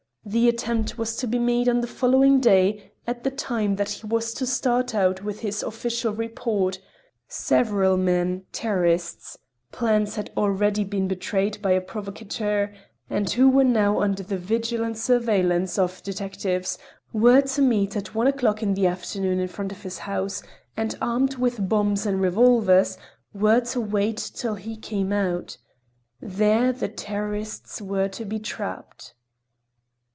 The attempt was to be made on the following day at the time that he was to start out with his official report; several men, terrorists, whose plans had already been betrayed by a provocateur, and who were now under the vigilant surveillance of detectives, were to meet at one o'clock in the afternoon in front of his house, and, armed with bombs and revolvers, were to wait till he came out. There the terrorists were to be trapped.